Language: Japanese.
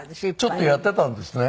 ちょっとやってたんですね